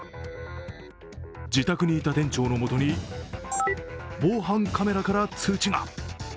自宅にいた店長のもとに防犯カメラから通知が！